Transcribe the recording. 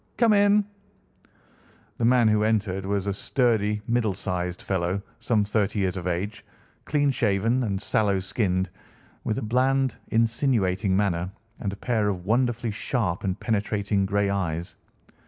Come in!" The man who entered was a sturdy, middle sized fellow, some thirty years of age, clean shaven, and sallow skinned, with a bland, insinuating manner, and a pair of wonderfully sharp and penetrating grey eyes.